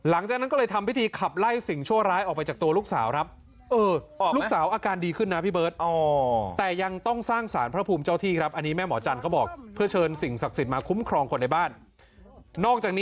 หลังจากนั้นก็เลยทำพิธีขับไล่สิ่งชั่วร้ายออกไปจากตัวลูกสาวครับ